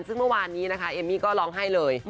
ซึ่งเมื่อวานนี้นะคะเอมมี่ก็ร้องไห้เลย